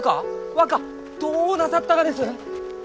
若どうなさったがです！？